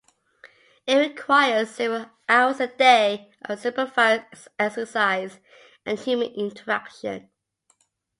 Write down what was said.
It requires several hours a day of supervised exercise and human interaction.